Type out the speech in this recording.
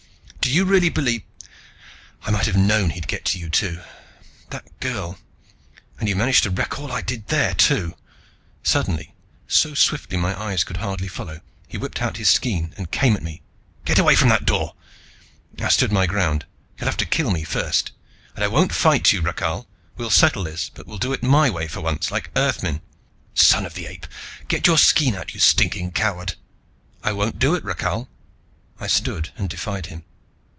Do you really believe I might have known he'd get to you too! That girl and you've managed to wreck all I did there, too!" Suddenly, so swiftly my eyes could hardly follow, he whipped out his skean and came at me. "Get away from that door!" I stood my ground. "You'll have to kill me first. And I won't fight you, Rakhal. We'll settle this, but we'll do it my way for once, like Earthmen." "Son of the Ape! Get your skean out, you stinking coward!" "I won't do it, Rakhal." I stood and defied him.